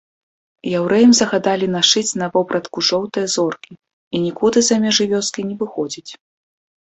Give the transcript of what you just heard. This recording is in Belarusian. Яўрэям загадалі нашыць на вопратку жоўтыя зоркі і нікуды за межы вёскі не выходзіць.